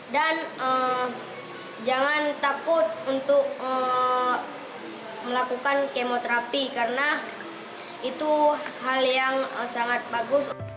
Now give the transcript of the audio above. dan jangan takut untuk melakukan kemoterapi karena itu hal yang sangat bagus